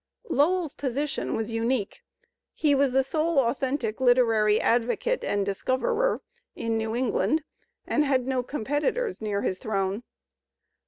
Lowell's position was unique. He was the sole authentic Kterary advocate and discoverer in New England and had no competitors near his throne.